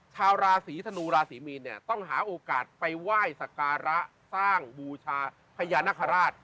ชาวราศีธนูราศีมีนเนี่ยต้องหาโอกาสไปไหว้สการะสร้างบูชาพญานาคาราช